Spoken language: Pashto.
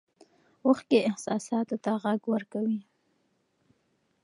اوښکې احساساتو ته غږ ورکوي.